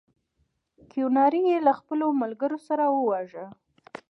کیوناري یې له خپلو ملګرو سره وواژه.